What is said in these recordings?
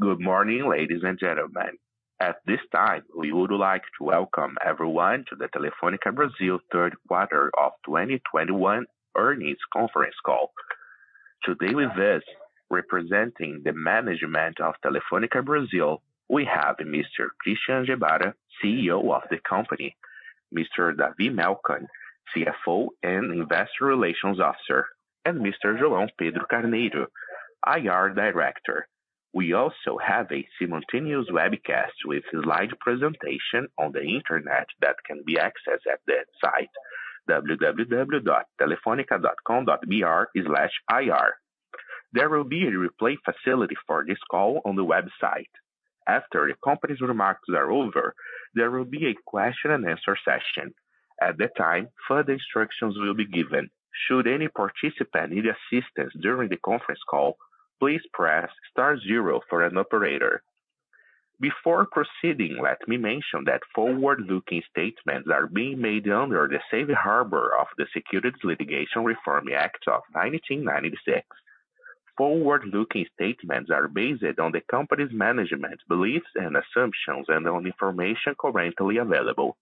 Good morning, ladies and gentlemen. At this time, we would like to welcome everyone to the Telefônica Brasil third quarter of 2021 earnings conference call. Today with us, representing the management of Telefônica Brasil, we have Mr. Christian Gebara, CEO of the company, Mr. David Melcon, CFO and Investor Relations Officer, and Mr. João Pedro Carneiro, IR Director. We also have a simultaneous webcast with slide presentation on the internet that can be accessed at the site www.telefonica.com.br/ir. There will be a replay facility for this call on the website. After the company's remarks are over, there will be a question and answer session. At the time, further instructions will be given. Should any participant need assistance during the conference call, please Press Star zero for an operator. Before proceeding, let me mention that forward-looking statements are being made under the safe harbor of the Private Securities Litigation Reform Act of 1995. Forward-looking statements are based on the company's management beliefs and assumptions and on information currently available.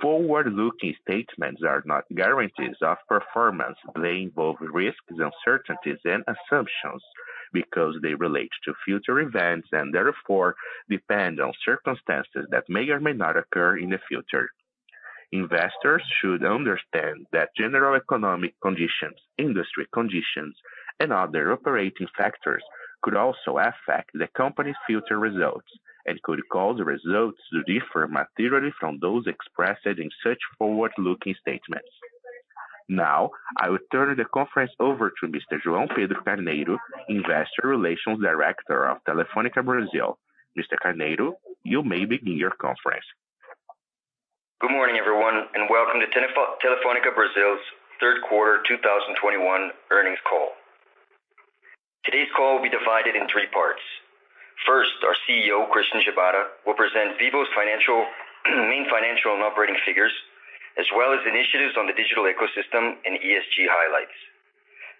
Forward-looking statements are not guarantees of performance. They involve risks, uncertainties, and assumptions because they relate to future events and therefore depend on circumstances that may or may not occur in the future. Investors should understand that general economic conditions, industry conditions, and other operating factors could also affect the company's future results and could cause results to differ materially from those expressed in such forward-looking statements. Now, I will turn the conference over to Mr. João Pedro Carneiro, Investor Relations Director of Telefônica Brasil. Mr. Carneiro, you may begin your conference. Good morning, everyone, and welcome to Telefônica Brasil's third quarter 2021 earnings call. Today's call will be divided in three parts. First, our CEO, Christian Gebara, will present Vivo's main financial and operating figures, as well as initiatives on the digital ecosystem and ESG highlights.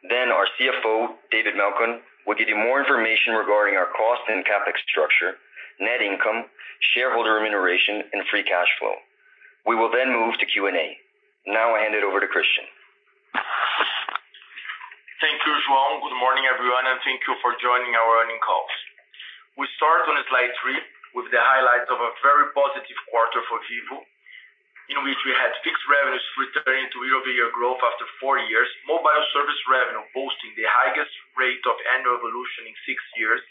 Then our CFO, David Melcon, will give you more information regarding our cost and CapEx structure, net income, shareholder remuneration and free cash flow. We will then move to Q&A. I hand it over to Christian. Thank you, João. Good morning, everyone, and thank you for joining our earnings call. We start on Slide 3 with the highlights of a very positive quarter for Vivo, in which we had fixed revenues returning to year-over-year growth after four years. Mobile service revenue boasting the highest rate of annual evolution in six years,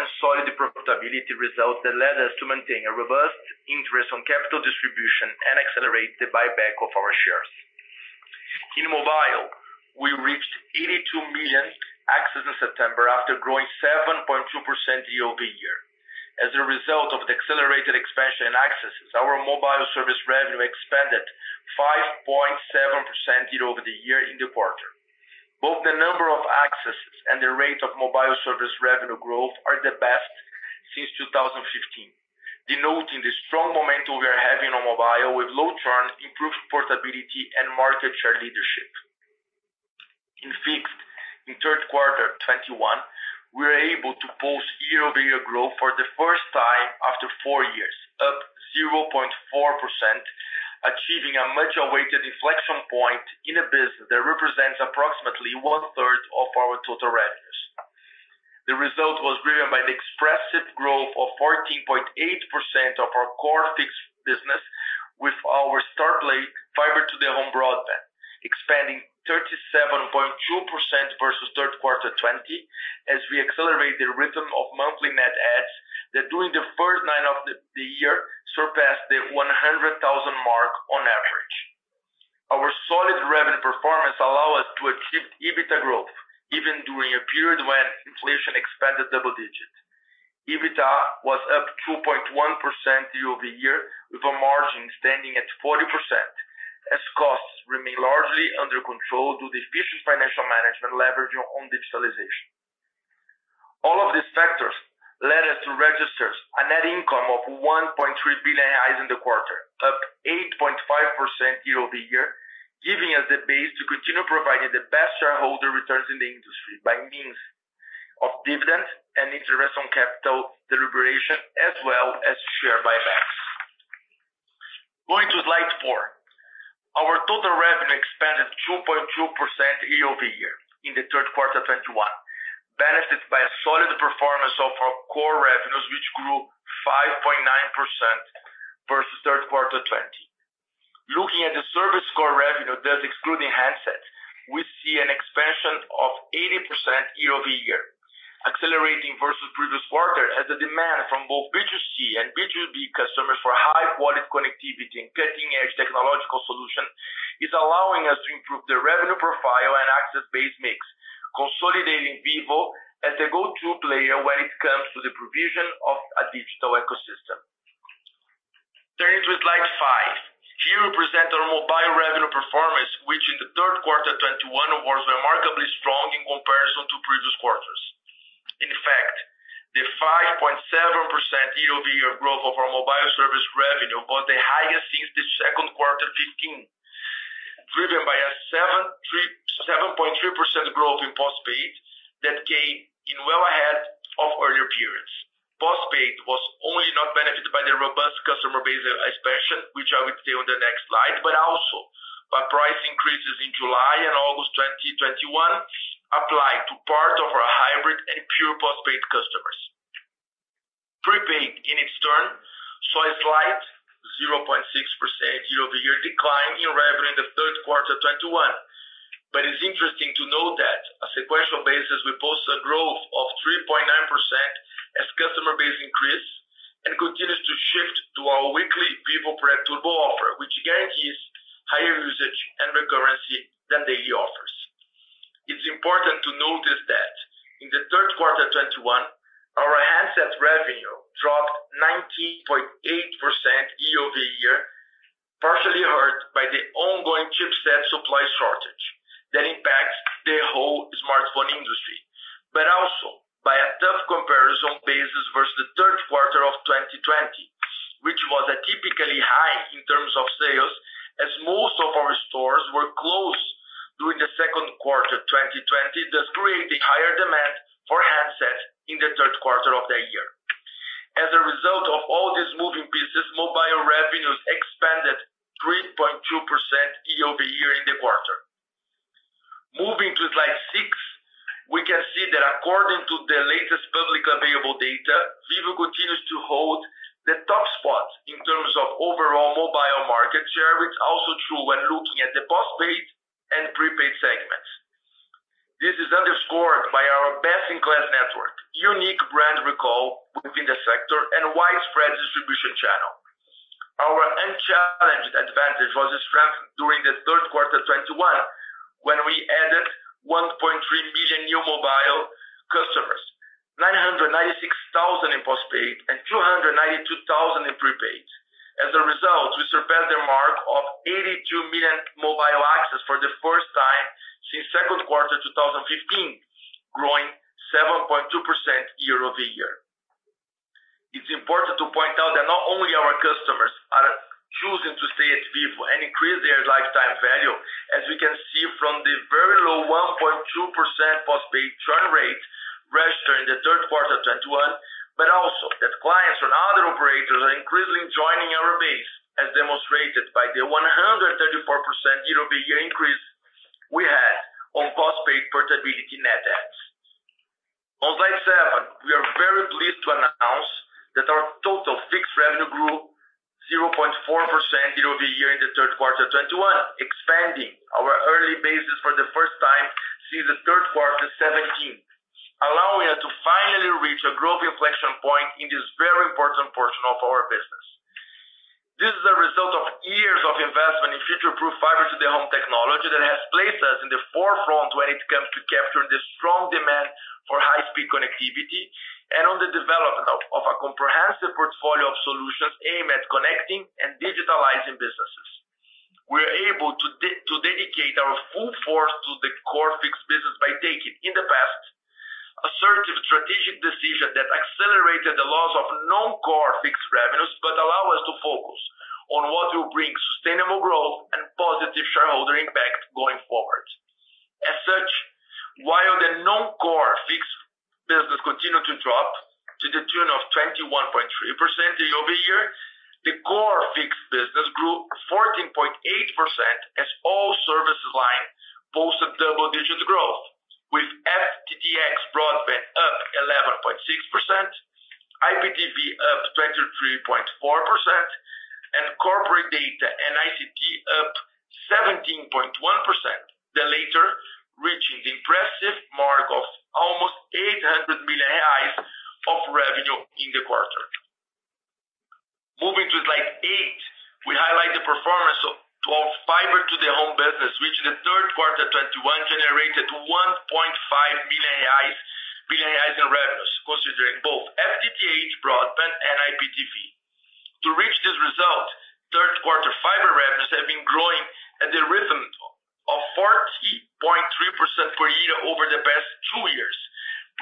and solid profitability results that led us to maintain a robust interest on capital distribution and accelerate the buyback of our shares. In mobile, we reached 82 million accesses in September after growing 7.2% year-over-year. As a result of the accelerated expansion and accesses, our mobile service revenue expanded 5.7% year-over-year in the quarter. Both the number of accesses and the rate of mobile service revenue growth are the best since 2015, denoting the strong momentum we are having on mobile with low churn, improved portability and market share leadership. In fixed, in third quarter 2021, we were able to post year-over-year growth for the first time after four years, up 0.4%, achieving a much awaited inflection point in a business that represents approximately 1/3 of our total revenues. The result was driven by the expressive growth of 14.8% of our core fixed business with our Star Play fiber to the home broadband, expanding 37.2% versus third quarter 2020 as we accelerate the rhythm of monthly net adds that during the first nine of the year surpassed the 100,000 mark on average. Our solid revenue performance allow us to achieve EBITDA growth even during a period when inflation expanded double digits. EBITDA was up 2.1% year-over-year with a margin standing at 40% as costs remain largely under control due to efficient financial management leverage on digitalization. All of these factors led us to register a net income of 1.3 billion in the quarter, up 8.5% year-over-year, giving us the base to continue providing the best shareholder returns in the industry by means of dividends and interest on capital deliberation as well as share buybacks. Going to Slide 4. Our total revenue expanded 2.2% year-over-year in the third quarter 2021, benefited by a solid performance of our core revenues, which grew 5.9% versus third quarter 2020. Looking at the service core revenue that's excluding handsets, we see an expansion of 80% year-over-year, accelerating versus previous quarter as the demand from both B2C and B2B customers for high-quality connectivity and cutting-edge technological solution is allowing us to improve the revenue profile and access base mix, consolidating Vivo as a go-to player when it comes to the provision of a digital ecosystem. Turning to Slide 5. Here we represent our mobile revenue performance, which in the third quarter 2021 was remarkably strong in comparison to previous quarters. In fact, the 5.7% year-over-year growth of our mobile service revenue was the highest since the second quarter 2015, driven by a 7.3% growth in postpaid that came in well ahead of earlier periods. Postpaid was not only benefited by the robust customer base expansion, which I would say on the next slide, but also by price increases in July and August 2021 applied to part of our hybrid and pure postpaid customers. Prepaid, in its turn, saw a slight 0.6% year-over-year decline in revenue in the third quarter 2021. It's interesting to note that on a sequential basis, we posted a growth of 3.9% as customer base increase and continues to shift to our weekly Vivo Pre Turbo offer, which guarantees higher usage and recurrency than daily offers. It's important to notice that in the third quarter 2021, our handset revenue dropped 19.8% year-over-year, partially hurt by the ongoing chipset supply shortage that impacts the whole smartphone industry. by a tough comparison basis versus the third quarter of 2020, which was atypically high in terms of sales as most of our stores were closed during the second quarter 2020, thus creating higher demand for handsets in the third quarter of that year. As a result of all these moving pieces, mobile revenues expanded 3.2% year-over-year in the quarter. Moving to Slide 6, we can see that according to the latest publicly available data, Vivo continues to hold the top spot in terms of overall mobile market share. It's also true when looking at the postpaid and prepaid segments. This is underscored by our best-in-class network, unique brand recall within the sector, and widespread distribution channel. Our unchallenged advantage was strengthened during the third quarter 2021, when we added 1.3 million new mobile customers, 996,000 in postpaid, and 292,000 in prepaid. As a result, we surpassed the mark of 82 million mobile access for the first time since second quarter 2015, growing 7.2% year-over-year. It's important to point out that not only our customers are choosing to stay at Vivo and increase their lifetime value, as we can see from the very low 1.2% postpaid churn rate registered in the third quarter 2021, but also that clients from other operators are increasingly joining our base, as demonstrated by the 134% year-over-year increase we had on postpaid portability net adds. On Slide 7, we are very pleased to announce that our total fixed revenue grew 0.4% year-over-year in the third quarter 2021, expanding our early basis for the first time since the third quarter 2017, allowing us to finally reach a growth inflection point in this very important portion of our business. This is a result of years of investment in future-proof fiber-to-the-home technology that has placed us in the forefront when it comes to capturing the strong demand for high-speed connectivity and on the development of a comprehensive portfolio of solutions aimed at connecting and digitalizing businesses. We are able to dedicate our full force to the core fixed business by taking, in the past, assertive strategic decisions that accelerated the loss of non-core fixed revenues, but allow us to focus on what will bring sustainable growth and positive shareholder impact going forward. As such, while the non-core fixed business continued to drop to the tune of 21.3% year-over-year, the core fixed business grew 14.8% as all service line posted double-digit growth, with FTTH broadband up 11.6%, IPTV up 23.4%, and corporate data and ICT up 17.1%, the latter reaching the impressive mark of almost 800 million reais of revenue in the quarter. Moving to slide eight, we highlight the performance of our fiber-to-the-home business, which in the third quarter 2021 generated 1.5 billion reais in revenues, considering both FTTH broadband and IPTV. To reach this result, third quarter fiber revenues have been growing at the rhythm of 40.3% per year over the past two years,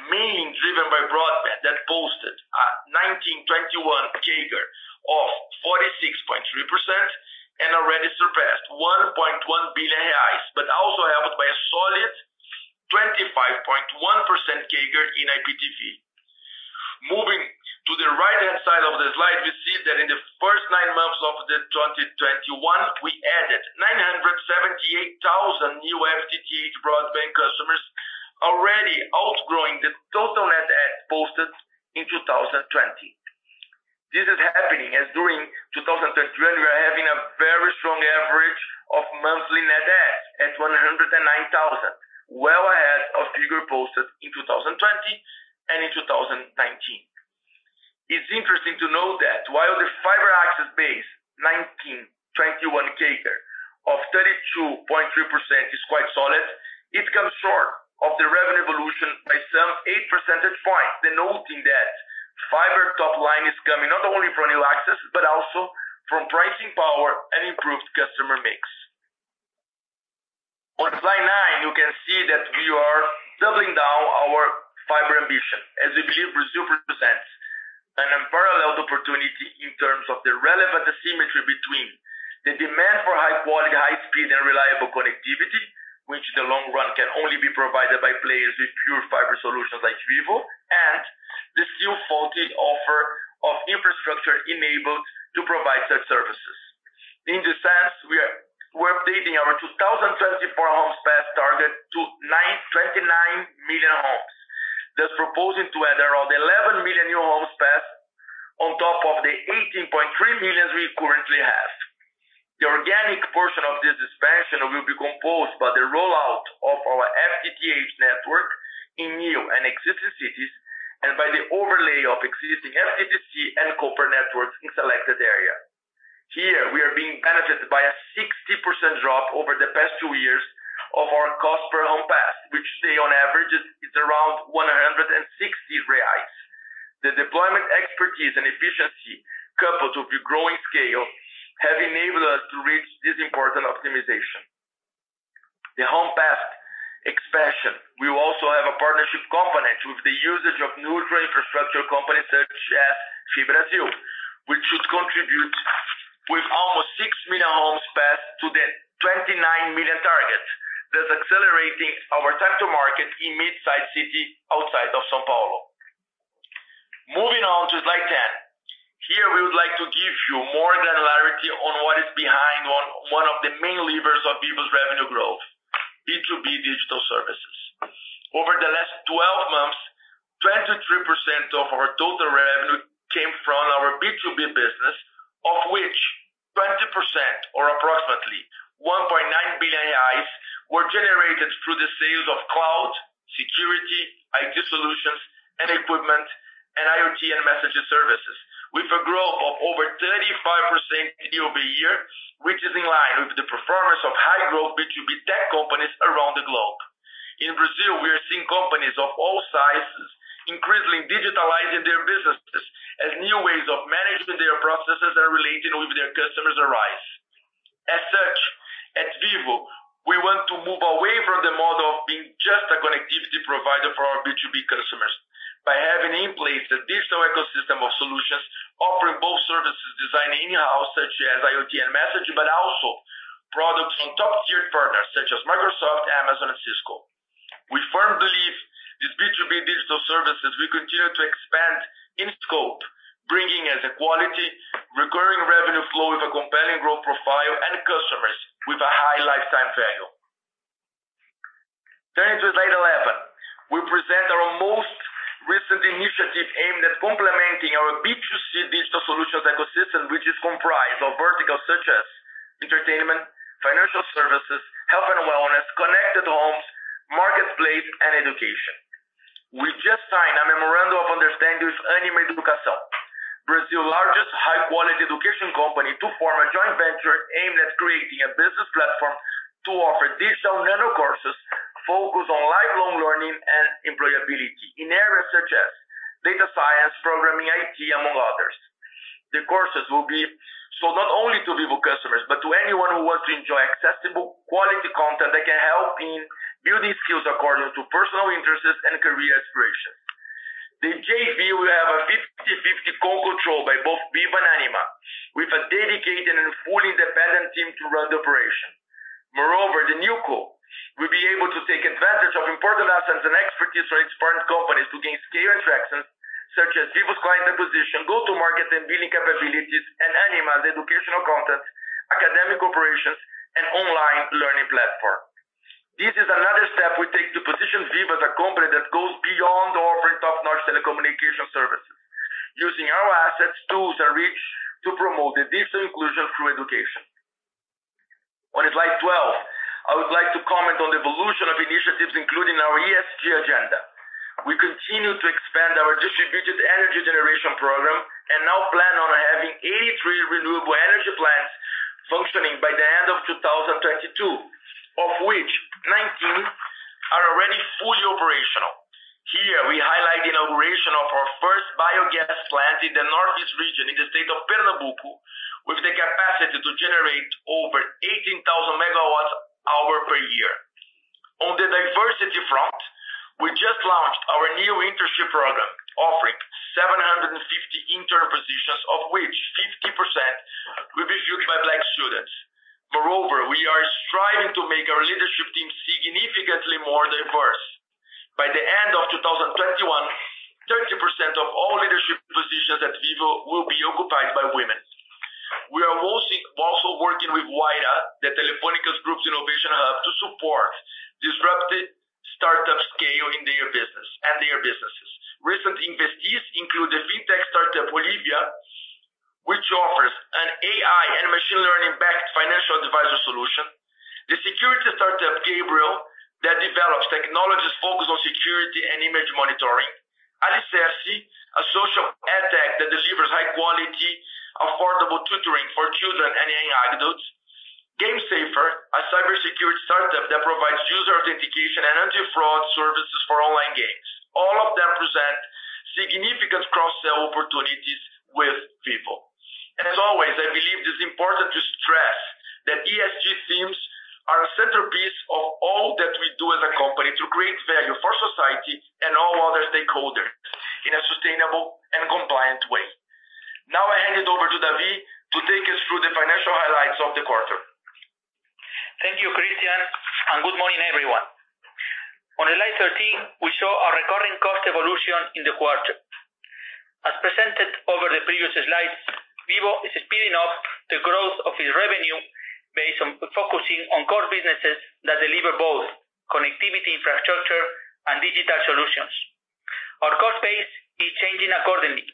mainly driven by broadband that posted a 2019-2021 CAGR of 46.3% and already surpassed 1.1 billion reais, but also helped by a solid 25.1% CAGR in IPTV. Moving to the right-hand side of the slide, we see that in the first nine months of 2021, we added 978,000 new FTTH broadband customers, already outgrowing the total net adds posted in 2020. This is happening as during 2021, we are having a very strong average of monthly net adds at 109,000, well ahead of figure posted in 2020 and in 2019. It's interesting to note that while the fiber access base 2019-2021 CAGR of 32.3% is quite solid, it comes short of the revenue evolution by some 8 percentage points, denoting that fiber top line is coming not only from new access, but also from pricing power and improved customer mix. On Slide 9, you can see that we are doubling down our fiber ambition as we believe Brazil presents an unparalleled opportunity in terms of the relevant asymmetry between the demand for high quality, high speed, and reliable connectivity, which in the long run, can only be provided by players with pure fiber solutions like Vivo, and the still faulty offer of infrastructure enabled to provide such services. In this sense, we're updating our 2024 homes passed target to 29 million homes. That's proposing to add around 11 million new homes passed on top of the 18.3 million we currently have. The organic portion of this expansion will be composed by the rollout of our FTTH network in new and existing cities, and by the overlay of existing FTTC and copper networks in selected areas. Here we are being benefited by a 60% drop over the past two years of our cost per home passed, which today on average is around 160 reais. The deployment expertise and efficiency, coupled with the growing scale, have enabled us to reach this important optimization. The home passed expansion will also have a partnership component with the usage of neutral infrastructure companies such as FiBrasil, which should contribute with almost 6 million homes passed to the 29 million target. That's accelerating our time to market in mid-sized cities outside of São Paulo. Moving on to slide 10. Here we would like to give you more granularity on what is behind one of the main levers of Vivo's revenue growth, B2B digital services. Over the last 12 months, 23% of our total revenue came from our B2B business, of which 20% or approximately 1.9 billion reais were generated through the sales of cloud, security, IT solutions, and equipment, and IoT and messaging services. With a growth of over 35% year-over-year, which is in line with the performance of high growth B2B tech companies around the globe. In Brazil, we are seeing companies of all sizes increasingly digitalizing their businesses as new ways of managing their processes and relating with their customers arise. As such, at Vivo, we want to move away from the model of being just a connectivity provider for our B2B customers by having in place a digital ecosystem of solutions, offering both services designed in-house, such as IoT and messaging, but also products from top-tier partners such as Microsoft, Amazon, and Cisco. We firmly believe these B2B digital services will continue to expand in scope, bringing us a quality, recurring revenue flow with a compelling growth profile and customers with a high lifetime value. Turning to Slide 11. We present our most recent initiative aimed at complementing our B2C digital solutions ecosystem, which is comprised of verticals such as entertainment, financial services, health and wellness, connected homes, marketplace, and education. We just signed a memorandum of understanding with Ânima Educação, Brazil's largest high-quality education company, to form a joint venture aimed at creating a business platform to offer digital nano courses focused on lifelong learning and employability in areas such as data science, programming, IT, among others. The courses will be sold not only to Vivo customers, but to anyone who wants to enjoy accessible quality content that can help in building skills according to personal interests and career aspirations. The JV will have a 50/50 co-control by both Vivo and Ânima, with a dedicated and fully independent team to run the operation. Moreover, the new co will be able to take advantage of important assets and expertise from its parent companies to gain scale and traction, such as Vivo's client acquisition, go-to-market and billing capabilities, and Ânima's educational content, academic operations, and online learning platform. This is another step we take to position Vivo as a company that goes beyond offering top-notch telecommunication services, using our assets, tools, and reach to promote the digital inclusion through education. On Slide 12, I would like to comment on the evolution of initiatives including our ESG agenda. We continue to expand our distributed energy generation program and now plan on having 83 renewable energy plants functioning by the end of 2022, of which 19 are already fully operational. Here we highlight the inauguration of our first biogas plant in the northeast region in the state of Pernambuco, with the capacity to generate over 18,000 megawatt-hours per year. On the diversity front, we just launched our new internship program offering 750 intern positions, of which 50% will be filled by Black students. Moreover, we are striving to make our leadership team significantly more diverse. By the end of 2021, 30% of all leadership positions at Vivo will be occupied by women. We are also working with Wayra, the Telefónica Group's innovation hub, to support disruptive startup scale in their businesses. Recent investees include the fintech startup Olivia, which offers an AI and machine learning-backed financial advisor solution. The security startup Gabriel, that develops technologies focused on security and image monitoring. Alicerce, a social edtech that delivers high quality, affordable tutoring for children and young adults. GamerSafer, a cybersecurity startup that provides user authentication and anti-fraud services for online games. All of them present significant cross-sell opportunities with Vivo. As always, I believe it's important to stress that ESG themes are a centerpiece of all that we do as a company to create value for society and all other stakeholders in a sustainable and compliant way. Now, I hand it over to David to take us through the financial highlights of the quarter. Thank you, Christian, and good morning, everyone. On Slide 13, we show our recurring cost evolution in the quarter. As presented over the previous slides, Vivo is speeding up the growth of its revenue based on focusing on core businesses that deliver both connectivity, infrastructure, and digital solutions. Our cost base is changing accordingly,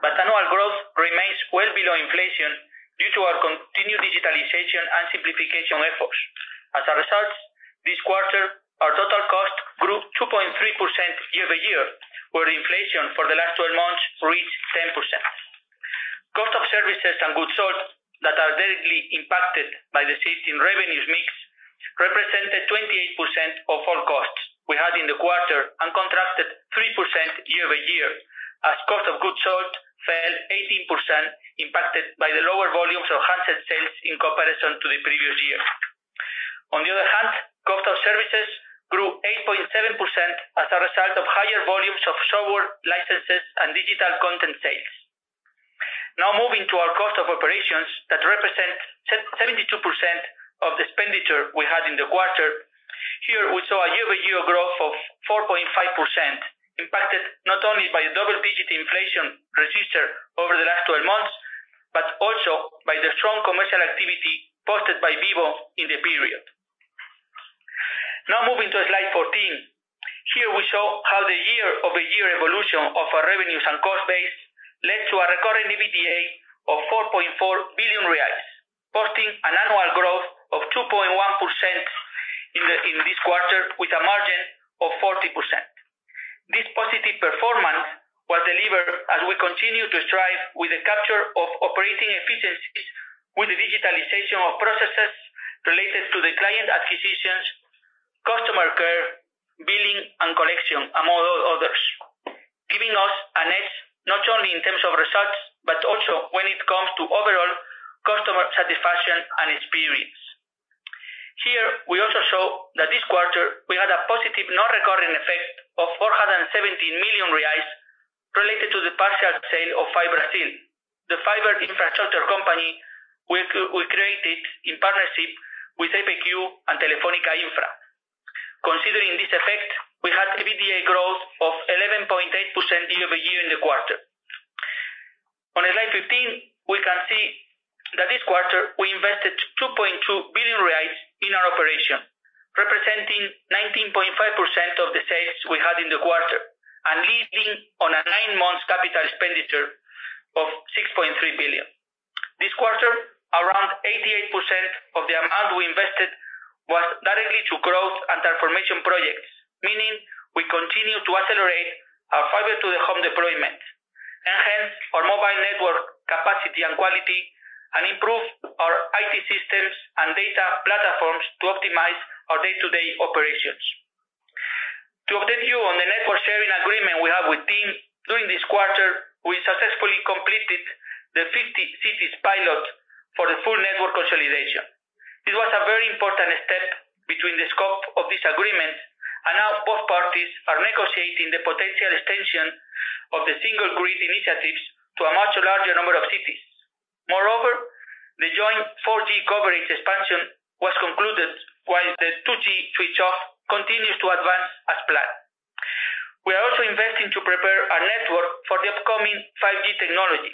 but annual growth remains well below inflation due to our continued digitalization and simplification efforts. As a result, this quarter, our total cost grew 2.3% year-over-year, where inflation for the last 12 months reached 10%. Cost of services and goods sold that are directly impacted by the shift in revenues mix represented 28% of all costs we had in the quarter and contracted 3% year-over-year as cost of goods sold fell 18% impacted by the lower volumes of handset sales in comparison to the previous year. On the other hand, cost of services grew 8.7% as a result of higher volumes of software licenses and digital content sales. Now moving to our cost of operations that represent 72% of the expenditure we had in the quarter. Here, we saw a year-over-year growth of 4.5%, impacted not only by the double-digit inflation registered over the last 12 months, but also by the strong commercial activity posted by Vivo in the period. Now moving to Slide 14. Here we show how the year-over-year evolution of our revenues and cost base led to a recurring EBITDA of 4.4 billion reais, posting an annual growth of 2.1% in this quarter with a margin of 40%. This positive performance was delivered as we continue to strive with the capture of operating efficiencies with the digitalization of processes related to the client acquisitions, customer care, billing and collection, among others. Giving us an edge, not only in terms of results, but also when it comes to overall customer satisfaction and experience. Here, we also show that this quarter, we had a positive non-recurring effect of 417 million reais related to the partial sale of FiBrasil, the fiber infrastructure company we created in partnership with CDPQ and Telefónica Infra. Considering this effect, we had EBITDA growth of 11.8% year-over-year in the quarter. On Slide 15, we can see that this quarter we invested 2.2 billion reais in our operation, representing 19.5% of the sales we had in the quarter, and leading to a nine-month capital expenditure of 6.3 billion. This quarter, around 88% of the amount we invested was directly to growth and transformation projects, meaning we continue to accelerate our fiber to the home deployment, enhance our mobile network capacity and quality, and improve our IT systems and data platforms to optimize our day-to-day operations. To update you on the network sharing agreement we have with TIM, during this quarter, we successfully completed the 50 cities pilot for the full network consolidation. This was a very important step between the scope of this agreement, and now both parties are negotiating the potential extension of the Single Grid initiatives to a much larger number of cities. Moreover, the joint 4G coverage expansion was concluded while the 2G switch-off continues to advance as planned. We are also investing to prepare our network for the upcoming 5G technology.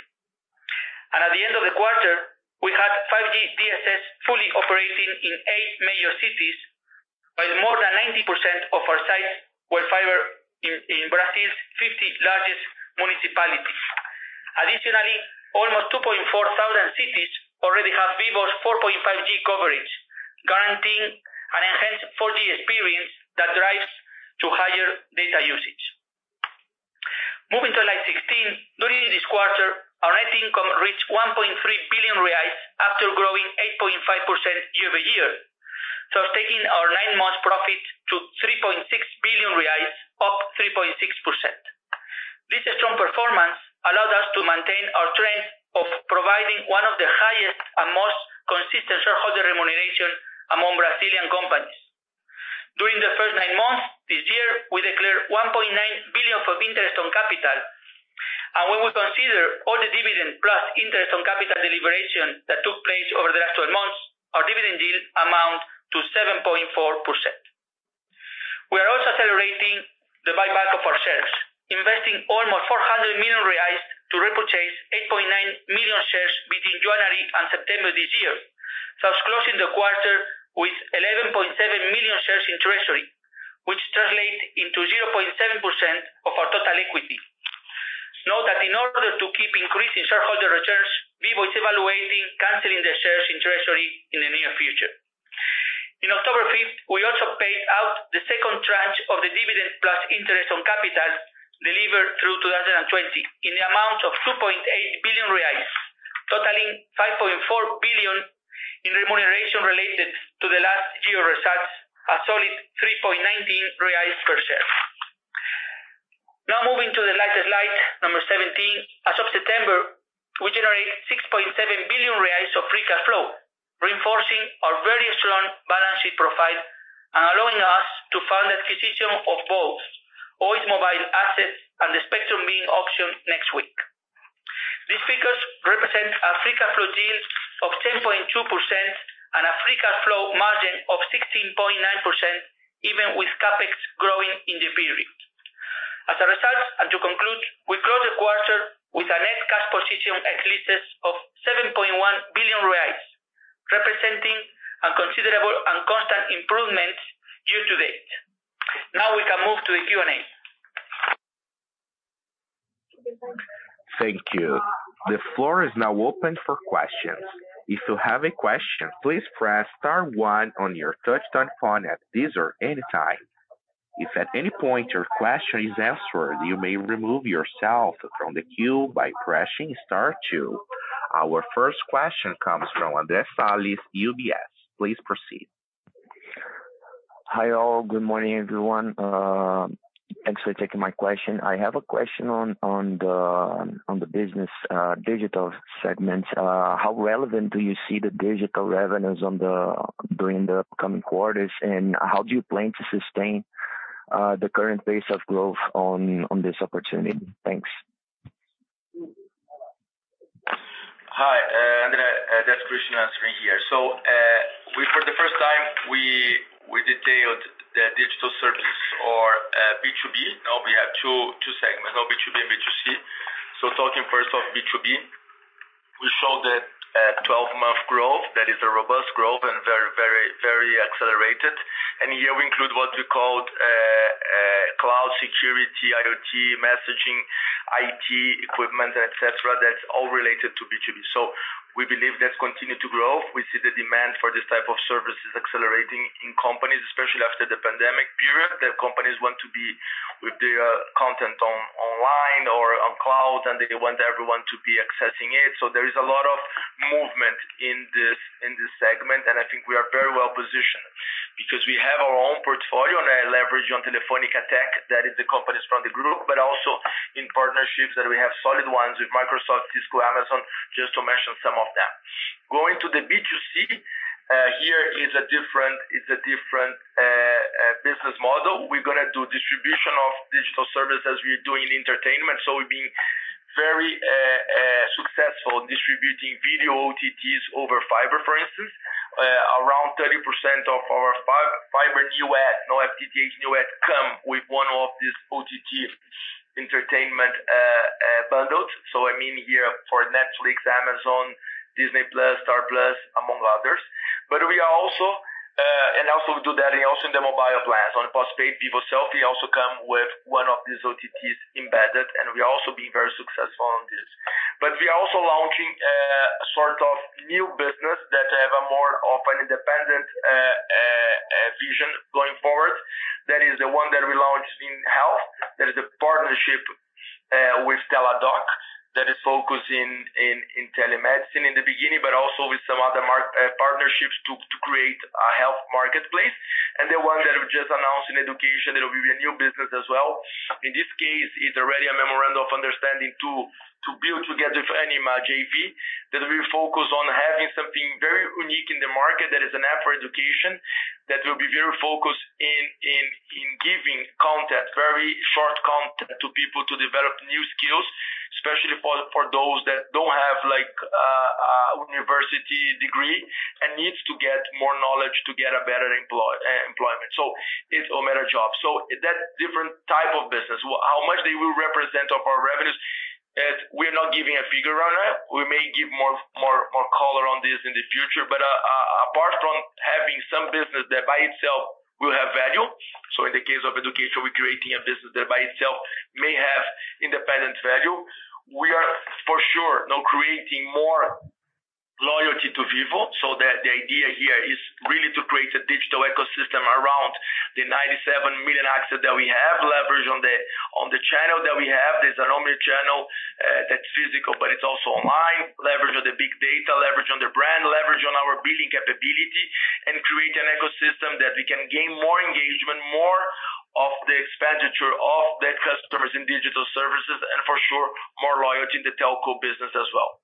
At the end of the quarter, we had 5G DSS fully operating in eight major cities, while more than 90% of our sites were fiber-in in Brazil's 50 largest municipalities. Additionally, almost 2,400 cities already have Vivo's 4.5G coverage, guaranteeing an enhanced 4G experience that drives to higher data usage. Moving to Slide 16. During this quarter, our net income reached 1.3 billion reais after growing 8.5% year-over-year, thus taking our nine-month profit to 3.6 billion reais, up 3.6%. This strong performance allowed us to maintain our trend of providing one of the highest and most consistent shareholder remuneration among Brazilian companies. During the first nine months this year, we declared 1.9 billion of interest on capital. When we consider all the dividend plus interest on capital deliberation that took place over the last 12 months, our dividend yield amount to 7.4%. We are also accelerating the buyback of our shares, investing almost 400 million reais to repurchase 8.9 million shares between January and September this year, thus closing the quarter with 11.7 million shares in treasury, which translate into 0.7% of our total equity. Note that in order to keep increasing shareholder returns, Vivo is evaluating canceling the shares in treasury in the near future. On October 5, we also paid out the second tranche of the dividend plus interest on capital delivered through 2020 in the amount of 2.8 billion reais, totaling 5.4 billion in remuneration related to the last year results, a solid 3.19 reais per share. Moving to the latest Slide 17. As of September, we generate 6.7 billion reais of free cash flow, reinforcing our very strong balance sheet profile and allowing us to fund the acquisition of both Oi's mobile assets and the spectrum being auctioned next week. These figures represent a free cash flow yield of 10.2% and a free cash flow margin of 16.9%, even with CapEx growing in the period. As a result, and to conclude, we grow the quarter with a net cash position excess of 7.1 billion reais, representing a considerable and constant improvement year-to-date. Now we can move to the Q&A. Thank you. The floor is now open for questions. If you have a question, please Press Star one on your touch-tone phone at this or any time. If at any point your question is answered, you may remove yourself from the queue by Pressing Star two. Our first question comes from Andre Salles, UBS. Please proceed. Hi, all. Good morning, everyone. Thanks for taking my question. I have a question on the business digital segment. How relevant do you see the digital revenues during the upcoming quarters, and how do you plan to sustain the current pace of growth on this opportunity? Thanks. Hi, Andre, that's Christian answering here. For the first time, we detailed the digital service or B2B. Now we have two segments, B2B and B2C. Talking first of B2B, we showed that 12-month growth, that is robust growth and very accelerated. Here we include what we called cloud security, IoT, messaging, IT equipment, et cetera. That's all related to B2B. We believe that's continued to grow. We see the demand for these type of services accelerating in companies, especially after the pandemic period, that companies want to be with their content online or on cloud, and they want everyone to be accessing it. There is a lot of movement in this segment, and I think we are very well positioned. Because we have our own portfolio and a leverage on Telefónica Tech, that is the companies from the group, but also in partnerships that we have solid ones with Microsoft, Cisco, Amazon, just to mention some of them. Going to the B2C, it's a different business model. We're gonna do distribution of digital services we do in entertainment. We've been very successful distributing video OTTs over fiber, for instance. Around 30% of our FTTH new adds come with one of these OTT entertainment bundles. I mean here for Netflix, Amazon, Disney+, Star+, among others. We are also in the mobile plans on postpaid Vivo Selfie, they also come with one of these OTTs embedded, and we have also been very successful on this. We are also launching a sort of new business that has a more of an independent vision going forward. That is the one that we launched in health. That is a partnership with Teladoc that is focused in telemedicine in the beginning, but also with some other partnerships to create a health marketplace. The one that we've just announced in education, it'll be a new business as well. In this case, it's already a memorandum of understanding to build together with Ânima JV, that we focus on having something very unique in the market. That is an app for education that will be very focused in giving content, very short content to people to develop new skills, especially for those that don't have like university degree and needs to get more knowledge to a better employment. It's Ometer Jobs. That different type of business. How much they will represent of our revenues, we're not giving a figure on it. We may give more color on this in the future. Apart from having some business that by itself will have value, so in the case of education, we're creating a business that by itself may have independent value. We are for sure now creating more loyalty to Vivo. The idea here is really to create a digital ecosystem around the 97 million access that we have, leverage on the channel that we have. There's an omni-channel that's physical, but it's also online. Leverage on the big data, leverage on the brand, leverage on our billing capability, and create an ecosystem that we can gain more engagement, more of the expenditure of the customers in digital services and for sure, more loyalty in the telco business as well.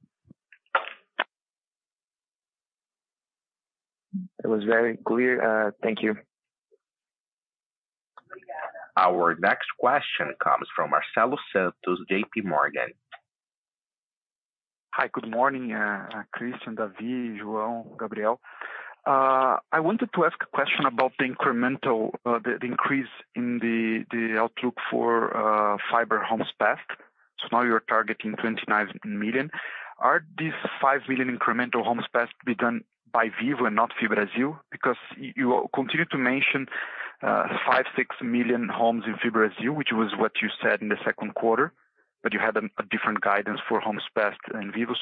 It was very clear. Thank you. Our next question comes from Marcelo Santos to J.P. Morgan. Hi, good morning, Christian, David, João, Gabriel. I wanted to ask a question about the incremental increase in the outlook for fiber homes passed. Now you're targeting 29 million. Are these 5 million incremental homes passed to be done by Vivo and not FiBrasil? Because you continue to mention 5million-6 million homes in FiBrasil, which was what you said in the second quarter. But you had a different guidance for homes passed in Vivo.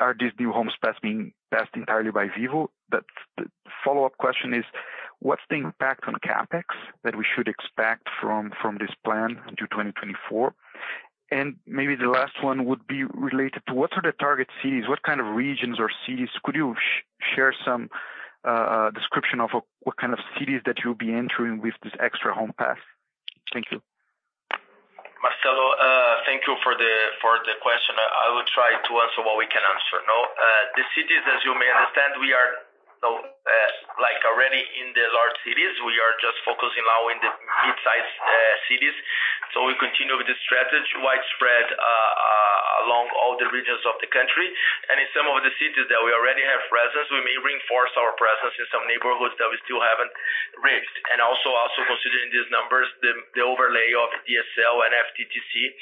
Are these new homes passed being passed entirely by Vivo? The follow-up question is. What's the impact on CapEx that we should expect from this plan into 2024? Maybe the last one would be related to what are the target cities? What kind of regions or cities could you share some description of what kind of cities that you'll be entering with this extra Home Pass? Thank you. Marcelo, thank you for the question. I will try to answer what we can answer. No, the cities, as you may understand, we are, you know, like already in the large cities. We are just focusing now in the mid-sized cities. We continue with the strategy widespread along all the regions of the country. In some of the cities that we already have presence, we may reinforce our presence in some neighborhoods that we still haven't reached. Also considering these numbers, the overlay of DSL and FTTC,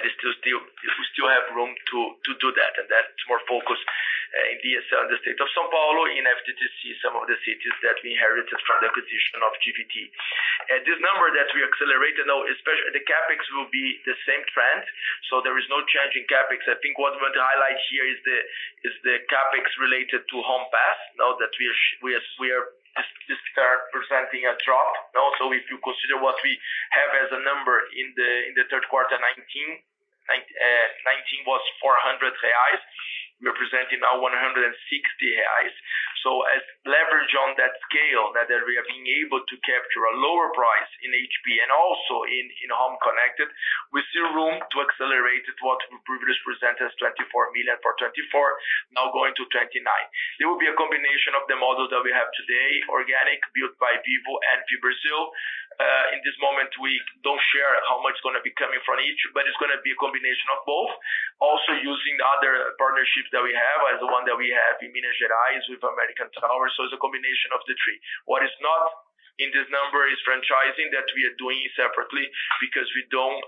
we still have room to do that. That's more focused in DSL in the state of São Paulo, in FTTC, some of the cities that we inherited from the acquisition of GVT. This number that we accelerated, now, especially the CapEx will be the same trend, so there is no change in CapEx. I think what we're to highlight here is the CapEx related to Home Pass, now that we are presenting a drop. Also, if you consider what we have as a number in the third quarter 2019 was 400 reais. We are presenting now 160 reais. As leverage on that scale, that we are being able to capture a lower price in HP and also in Home Connected, we see room to accelerate it what we previously present as 24 million for 2024, now going to 29. There will be a combination of the models that we have today, organic, built by Vivo, and Vivo Brazil. In this moment, we don't share how much is gonna be coming from each, but it's gonna be a combination of both. Also, using the other partnerships that we have, as the one that we have in Minas Gerais with American Tower. It's a combination of the three. What is not in this number is franchising that we are doing separately because we don't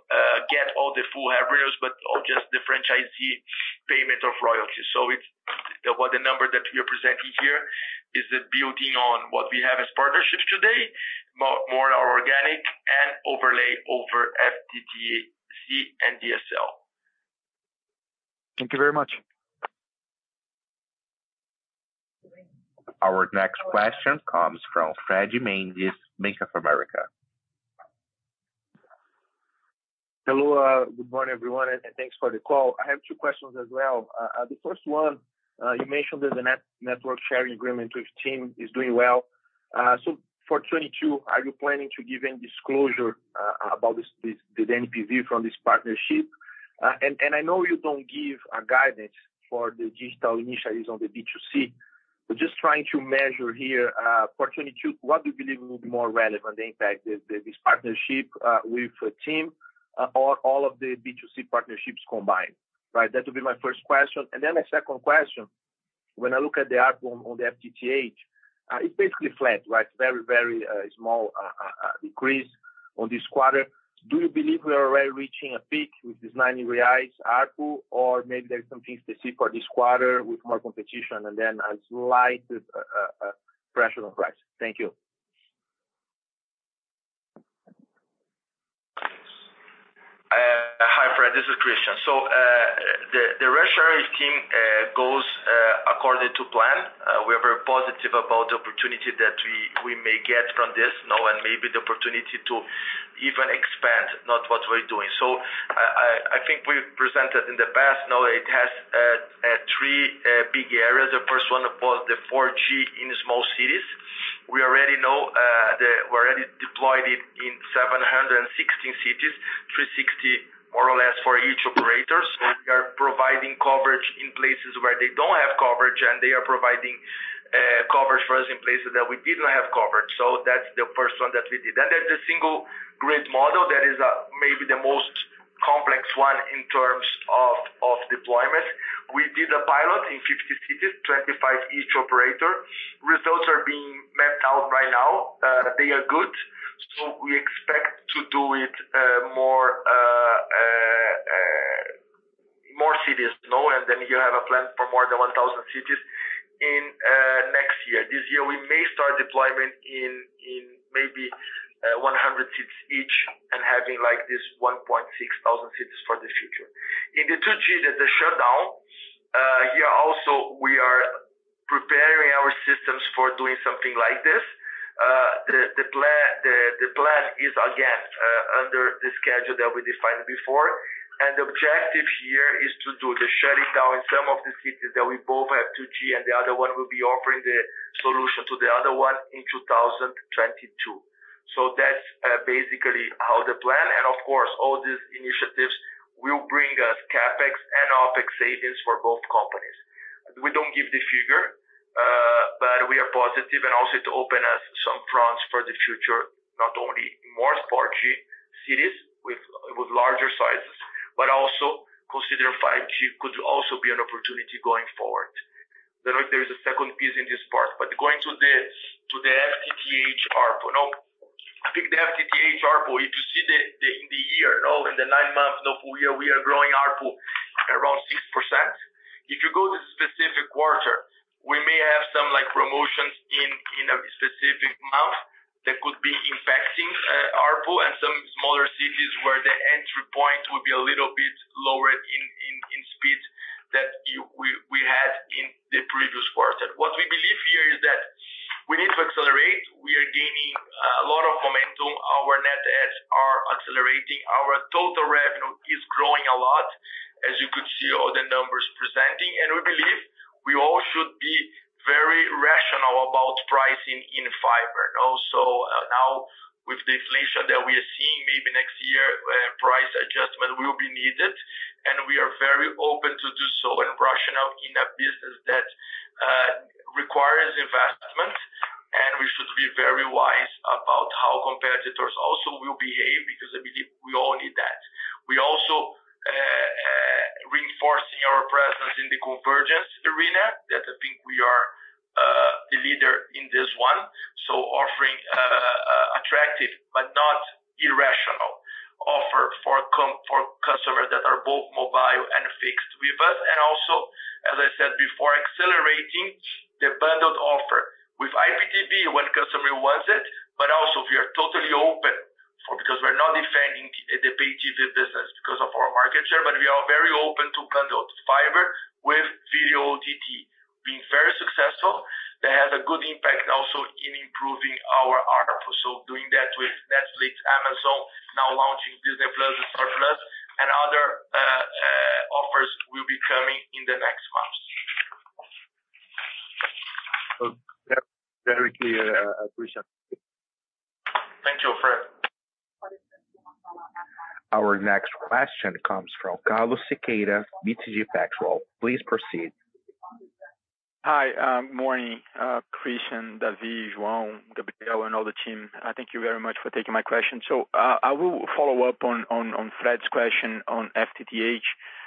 get all the full revenues, but all just the franchisee payment of royalties. It's what the number that we are presenting here is it building on what we have as partnerships today, more organic and overlay over FTTH, C, and DSL. Thank you very much. Our next question comes from Frederico Mendes, Bank of America. Hello, good morning, everyone, and thanks for the call. I have two questions as well. The first one, you mentioned that the network sharing agreement with TIM is doing well. So for 2022, are you planning to give any disclosure about this, the NPV from this partnership? I know you don't give a guidance for the digital initiatives on the B2C, but just trying to measure here, for 2022, what do you believe will be more relevant, the impact, this partnership with TIM or all of the B2C partnerships combined, right? That would be my first question. Then my second question, when I look at the ARPU on the FTTH, it's basically flat, right? Very small decrease on this quarter. Do you believe we are already reaching a peak with this 90 reais ARPU or maybe there's something specific for this quarter with more competition and then a slight pressure on price? Thank you. Hi, Fred. This is Christian. The share with TIM goes according to plan. We are very positive about the opportunity that we may get from this, and maybe the opportunity to even expand beyond what we're doing. I think we presented in the past, and now it has three big areas. The first one was the 4G in small cities. We already deployed it in 716 cities, 360 more or less for each operators. We are providing coverage in places where they don't have coverage, and they are providing coverage for us in places that we didn't have coverage. That's the first one that we did. There's a single grid model that is maybe the most complex one in terms of deployment. We did a pilot in 50 cities, 25 each operator. Results are being mapped out right now. They are good, so we expect to do it more cities, you know, and then you have a plan for more than 1,000 cities in next year. This year, we may start deployment in maybe 100 cities each and having like this 1,600 cities for the future. In the 2G, there's a shutdown. Here also we are preparing our systems for doing something like this. The plan is again under the schedule that we defined before. The objective here is to do the shutting down in some of the cities that we both have 2G and the other one will be offering the solution to the other one in 2022. That's basically how the plan. Of course, all these initiatives will bring us CapEx and OpEx savings for both companies. We don't give the figure, but we are positive and also to open us some fronts for the future, not only more 4G cities with larger sizes, but also consider 5G could also be an opportunity going forward. Don't know if there is a second piece in this part, but going to the FTTH ARPU. Now, I think the FTTH ARPU, if you see the in the year, you know, in the nine months of the year, we are growing ARPU around 6%. If you go to the specific quarter, we may have some like promotions in a specific month that could be impacting ARPU and some smaller cities where the entry point will be a little bit lower in speed that we had in the previous quarter. What we believe is a lot of momentum. Our net adds are accelerating. Our total revenue is growing a lot as you could see all the numbers presented. We believe we all should be very rational about pricing in fiber. Also, now with the inflation that we are seeing, maybe next year price adjustment will be needed, and we are very open to do so and rational in a business that requires investment, and we should be very wise about how competitors also will behave because I believe we all need that. We are also reinforcing our presence in the convergence arena that I think we are the leader in this one. Offering attractive but not irrational offer for customers that are both mobile and fixed with us. Also, as I said before, accelerating the bundled offer with IPTV when customer wants it. Also we are totally open because we're not defending the IPTV business because of our market share, but we are very open to bundle fiber with video OTT. Being very successful, that has a good impact also in improving our ARPU. Doing that with Netflix, Amazon, now launching Disney+ and Star+, and other offers will be coming in the next months. Very clear. Appreciate. Thank you, Fred. Our next question comes from Carlos Sequeira, BTG Pactual. Please proceed. Hi. Morning, Christian, Dave, João, Gabriel, and all the team. Thank you very much for taking my question. I will follow up on Fred's question on FTTH.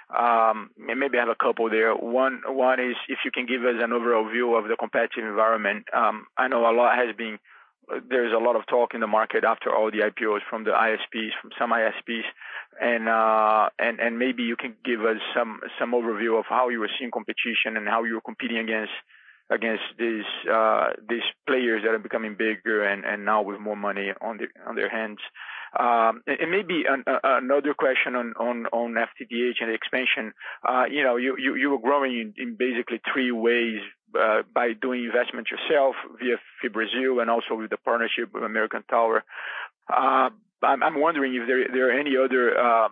And maybe I have a couple there. One is if you can give us an overall view of the competitive environment. I know there's a lot of talk in the market after all the IPOs from the ISPs, from some ISPs. And maybe you can give us some overview of how you are seeing competition and how you're competing against these players that are becoming bigger and now with more money on their hands. And maybe another question on FTTH and expansion. You know, you were growing in basically three ways by doing investment yourself via FiBrasil and also with the partnership with American Tower. I'm wondering if there are any other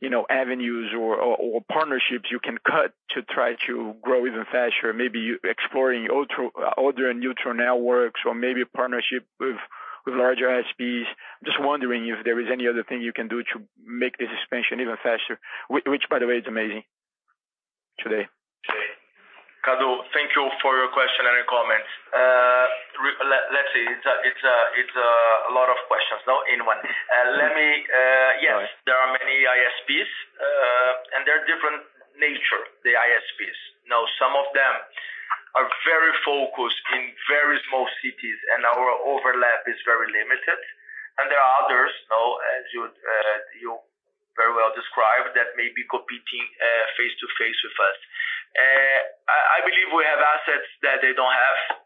you know avenues or partnerships you can cut to try to grow even faster. Maybe you're exploring other neutral networks or maybe a partnership with larger ISPs. Just wondering if there is any other thing you can do to make this expansion even faster, which by the way is amazing today. Okay. Carlos, thank you for your question and your comments. Let's see. It's a lot of questions now in one. Let me, yes, there are many ISPs, and they're different nature, the ISPs. Now, some of them are very focused in very small cities, and our overlap is very limited. There are others, you know, as you very well described, that may be competing face-to-face with us. I believe we have assets that they don't have.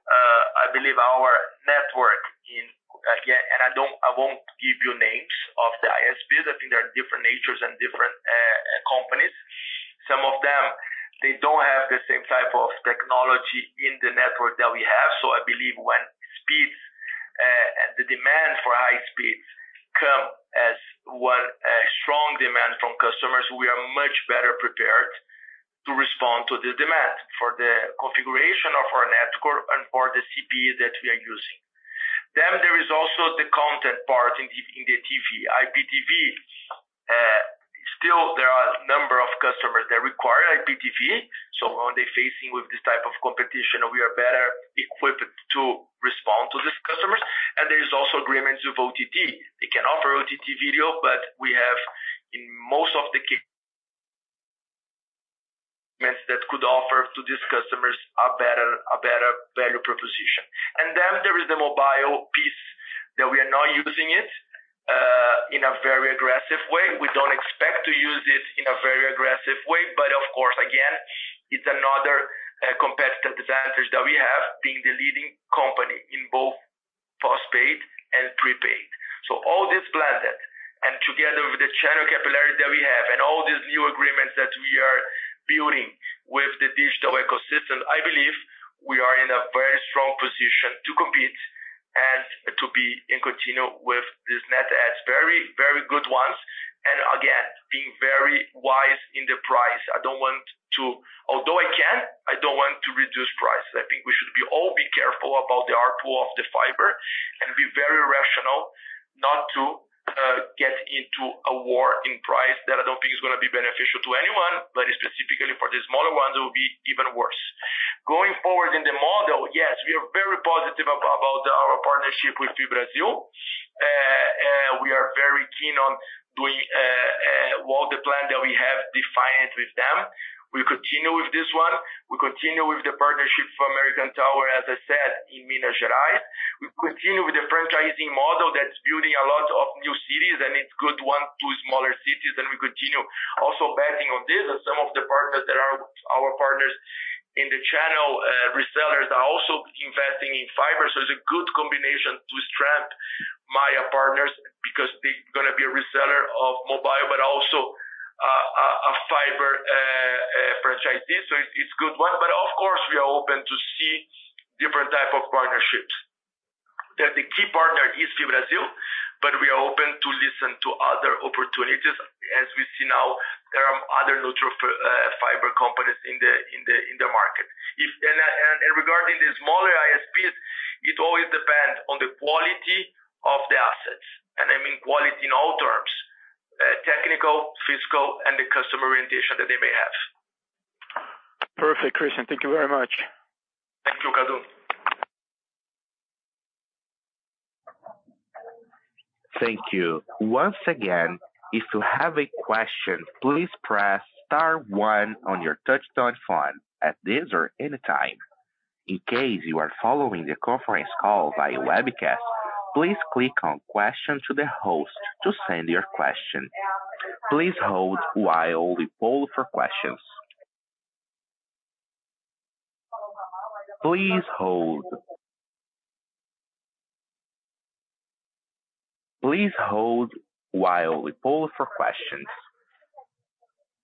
I believe our network, again, I won't give you names of the ISPs. I think there are different natures and different companies. Some of them, they don't have the same type of technology in the network that we have. I believe when speeds, the demand for high speeds come as one strong demand from customers, we are much better prepared to respond to the demand for the configuration of our network and for the CPE that we are using. There is also the content part in the TV, IPTV. Still there are a number of customers that require IPTV, so when they're faced with this type of competition, we are better equipped to respond to these customers. There is also agreements with OTT. They can offer OTT video, but we have in most of the arrangements that could offer to these customers a better value proposition. There is the mobile piece that we are now using it in a very aggressive way. We don't expect to use it in a very aggressive way, but of course, again, it's another competitive advantage that we have, being the leading company in both postpaid and prepaid. All these plans and together with the channel capillary that we have and all these new agreements that we are building with the digital ecosystem, I believe we are in a very strong position to compete and to continue with this net adds, very, very good ones. Again, being very wise in the price. I don't want to, although I can, I don't want to reduce price. I think we should all be careful about the ARPU of the fiber and be very rational not to get into a price war that I don't think is gonna be beneficial to anyone, but specifically for the smaller ones, it will be even worse. Going forward in the model, yes, we are very positive about our partnership with FiBrasil. We are very keen on doing well the plan that we have defined with them. We continue with this one. We continue with the partnership for American Tower, as I said, in Minas Gerais. We continue with the franchising model that's building a lot of new cities, and it's good for smaller cities, and we continue also betting on this. Some of the partners that are our partners in the channel, resellers are also investing in fiber. It's a good combination to strengthen my partners because they're gonna be a reseller of mobile, but also a fiber franchise. It's a good one. Of course, we are open to see different type of partnerships. The key partner is Vivo, but we are open to listen to other opportunities. As we see now, there are other neutral fiber companies in the market. Regarding the smaller ISPs, it always depends on the quality of the assets. I mean quality in all terms, technical, fiscal, and the customer orientation that they may have. Perfect, Christian. Thank you very much. Thank you, Carlos. Thank you. Once again, if you have a question, please Press Star one on your touch-tone phone, at this or any time. In case you are following the conference call via webcast, please Click on Question to the Host to send your question. Please hold while we poll for questions. Please hold. Please hold while we poll for questions.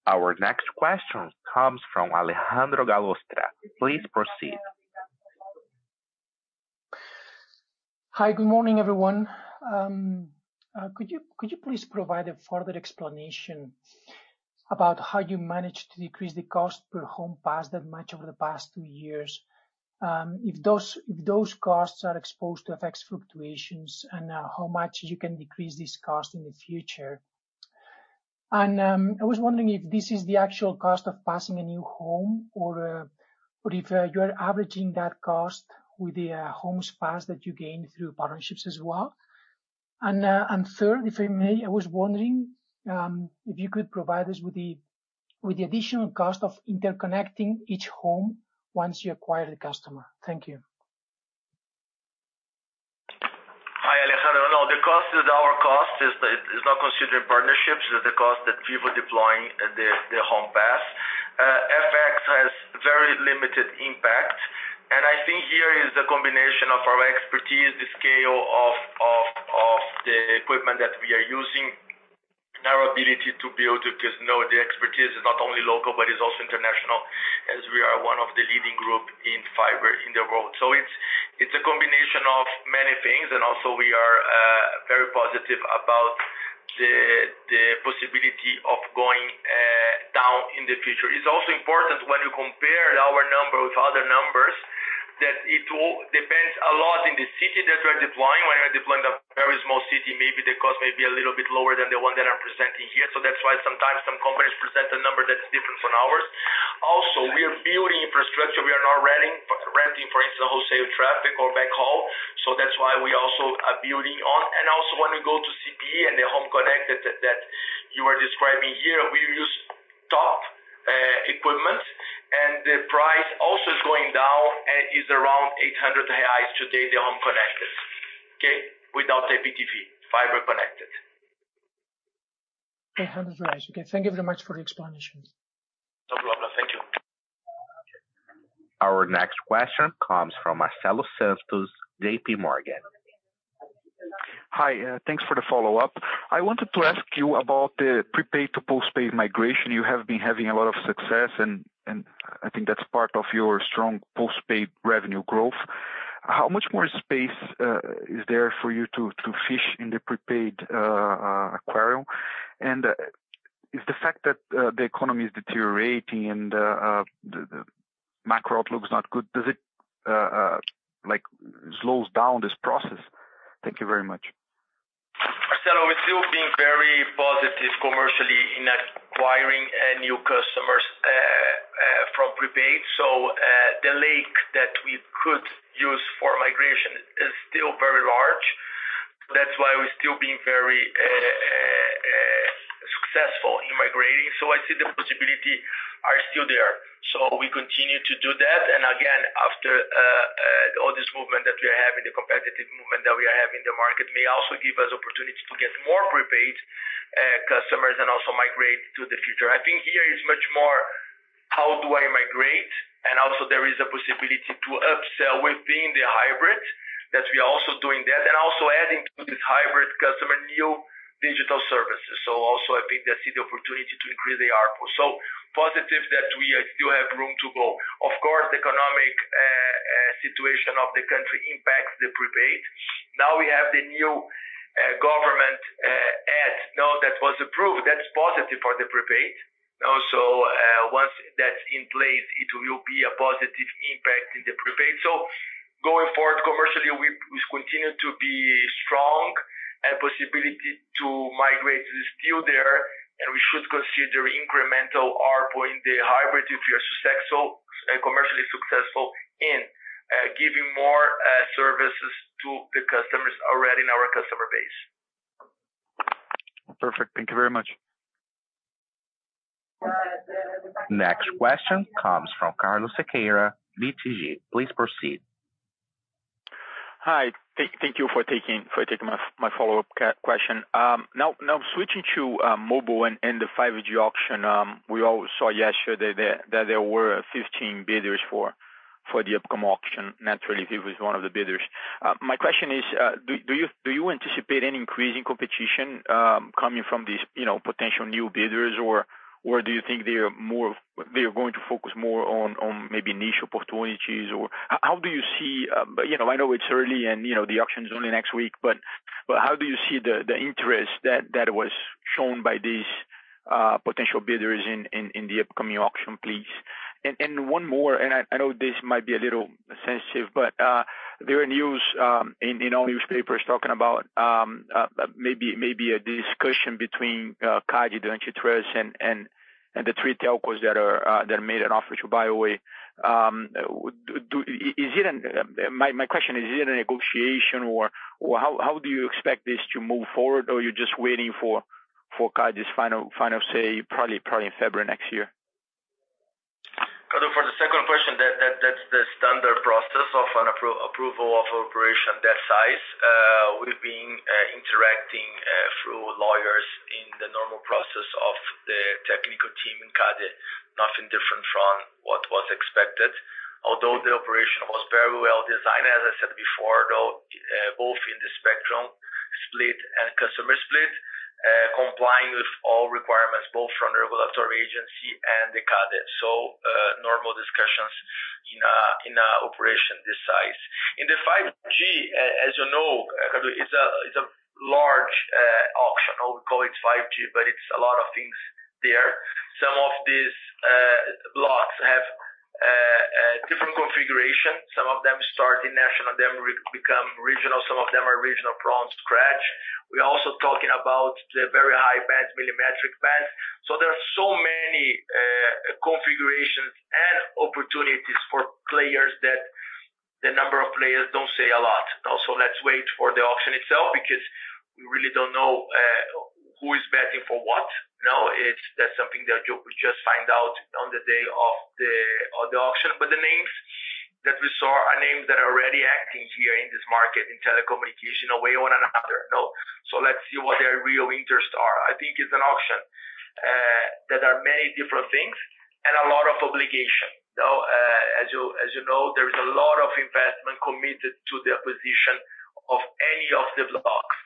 Our next question comes from Alejandro Gallostra. Please proceed. Hi, good morning, everyone. Could you please provide a further explanation about how you managed to decrease the cost per home pass that much over the past two years? If those costs are exposed to FX fluctuations, and how much you can decrease this cost in the future? I was wondering if this is the actual cost of passing a new home or if you are averaging that cost with the homes passed that you gained through partnerships as well. Third, if I may, I was wondering if you could provide us with the additional cost of interconnecting each home once you acquire the customer. Thank you. Hi, Alejandro. No, the cost is our cost. It's not considering partnerships. It's the cost that people deploying the home pass. FX has very limited impact. I think here is the combination of our expertise, the scale of the equipment that we are using, our ability to build, because now the expertise is not only local but is also international, as we are one of the leading group in fiber in the world. It's a combination of many things. We are very positive about the possibility of going down in the future. It's also important when you compare our number with other numbers, that it all depends a lot in the city that we're deploying. When you're deploying a very small city, maybe the cost may be a little bit lower than the one that I'm presenting here. That's why sometimes some companies present a number that's different from ours. Also, we are building infrastructure. We are not renting, for instance, wholesale traffic or backhaul. That's why we also are building on. Also when we go to CPE and the home connected that you are describing here, we use top equipment, and the price also is going down and is around 800 reais today, the home connected, okay? Without IPTV, fiber connected. BRL 800. Okay, thank you very much for the explanations. No problem. Thank you. Our next question comes from Marcelo Santos, J.P. Morgan. Hi, thanks for the follow-up. I wanted to ask you about the prepaid to postpaid migration. You have been having a lot of success, and I think that's part of your strong postpaid revenue growth. How much more space is there for you to fish in the prepaid aquarium? Is the fact that the economy is deteriorating and the macro outlook is not good like slows down this process? Thank you very much. Marcelo, we're still being very positive commercially in acquiring new customers from prepaid. The lake that we could use for migration is still very large. That's why we're still being very successful in migrating. I see the possibility are still there. We continue to do that. Again, after all this movement that we have, the competitive movement that we have in the market may also give us opportunity to get more prepaid customers and also migrate to the future. I think here it's much more how do I migrate? Also there is a possibility to upsell within the hybrid, that we are also doing that, and also adding to this hybrid customer new digital services. Also I think that's the opportunity to increase the ARPU. Positive that we still have room to go. Of course, the economic situation of the country impacts the prepaid. Now we have the new government aid, now that was approved, that's positive for the prepaid. Also, once that's in place, it will be a positive impact in the prepaid. Going forward commercially, we continue to be strong. Possibility to migrate is still there, and we should consider incremental ARPU in the hybrid if we are commercially successful in giving more services to the customers already in our customer base. Perfect. Thank you very much. Next question comes from Carlos Sequeira, BTG. Please proceed. Hi. Thank you for taking my follow-up question. Now switching to mobile and the 5G auction, we all saw yesterday that there were 15 bidders for the upcoming auction, naturally, Vivo was one of the bidders. My question is, do you anticipate any increasing competition coming from these, you know, potential new bidders? Or do you think they are more, they are going to focus more on maybe niche opportunities? Or how do you see. You know, I know it's early, and you know, the auction is only next week, but how do you see the interest that was shown by these potential bidders in the upcoming auction, please? One more, I know this might be a little sensitive, but there are news in all newspapers talking about maybe a discussion between CADE, the antitrust, and the three telcos that made an offer to buy Oi. Is it a negotiation or how do you expect this to move forward or are you just waiting for CADE's final say, probably in February next year? Carlos, for the second question, that's the standard process of an approval of operation that size. We've been interacting through lawyers in the normal process of the technical team in CADE. Nothing different from what was expected. Although the operation was very well designed, as I said before, both in the spectrum split and customer split, complying with all requirements, both from the regulatory agency and the CADE. Normal discussions in an operation this size. In the 5G, as you know, Cadu, it's a large auction. We call it 5G, but it's a lot of things there. Some of these blocks have a different configuration. Some of them start in national, then re-become regional. Some of them are regional from scratch. We're also talking about the very high bands, millimetric bands. There are so many configurations and opportunities for players that the number of players don't say a lot. Also, let's wait for the auction itself, because we really don't know who is betting for what. Now, that's something that you will just find out on the day of the auction. But the names that we saw are names that are already acting here in this market, in telecommunication, one way or another. No. Let's see what their real interests are. I think it's an auction that are many different things and a lot of obligation. Now, as you know, there is a lot of investment committed to the acquisition of any of the blocks.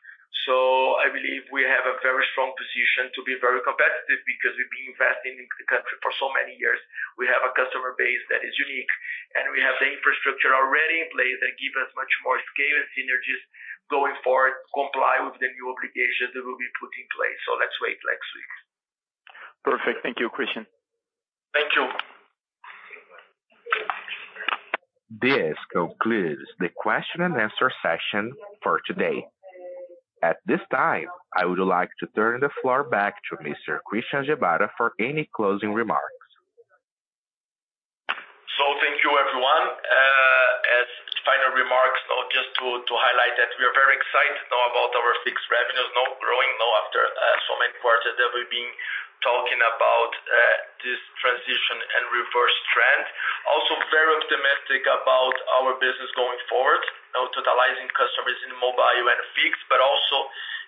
So I believe we have a very strong position to be very competitive because we've been investing in the country for so many years. We have a customer base that is unique, and we have the infrastructure already in place that give us much more scale and synergies going forward, comply with the new obligations that will be put in place. Let's wait next week. Perfect. Thank you, Christian. Thank you. This concludes the question and answer session for today. At this time, I would like to turn the floor back to Mr. Christian Gebara for any closing remarks. Thank you, everyone. As final remarks, just to highlight that we are very excited now about our fixed revenues now growing now after so many quarters that we've been talking about this transition and reverse trend. Also very optimistic about our business going forward, now totalizing customers in mobile and fixed, but also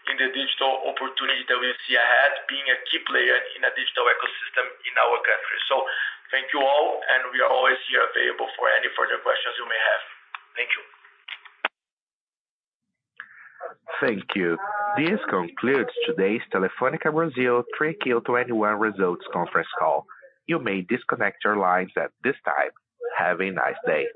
in the digital opportunity that we see ahead, being a key player in a digital ecosystem in our country. Thank you all, and we are always here available for any further questions you may have. Thank you. Thank you. This concludes today's Telefônica Brasil third Q 2021 results conference call. You may disconnect your lines at this time. Have a nice day.